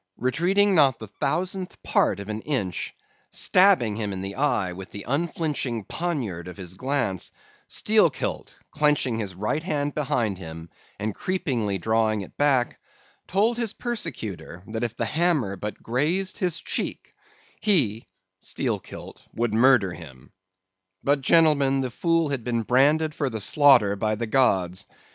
Retreating not the thousandth part of an inch; stabbing him in the eye with the unflinching poniard of his glance, Steelkilt, clenching his right hand behind him and creepingly drawing it back, told his persecutor that if the hammer but grazed his cheek he (Steelkilt) would murder him. But, gentlemen, the fool had been branded for the slaughter by the gods.